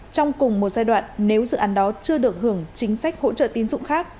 trong cùng một giai đoạn nếu dự án đó chưa được hưởng chính sách hỗ trợ tín dụng khác